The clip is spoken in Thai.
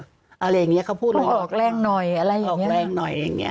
อะไรอย่างนี้เขาพูดออกแรงหน่อยอะไรอย่างนี้ออกแรงหน่อยอย่างเงี้